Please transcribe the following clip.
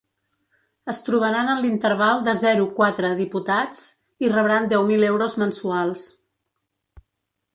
Es trobaran en l’interval de zero-quatre diputats i rebran deu mil euros mensuals.